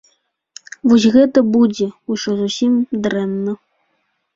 Вось гэта будзе ўжо зусім дрэнна.